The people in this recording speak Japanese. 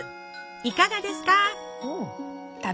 いかがですか？